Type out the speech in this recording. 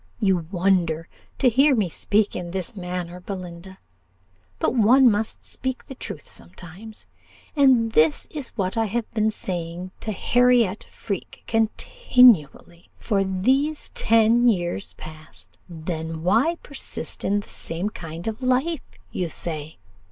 You wonder to hear me speak in this manner, Belinda but one must speak the truth sometimes; and this is what I have been saying to Harriot Freke continually, for these ten years past. Then why persist in the same kind of life? you say.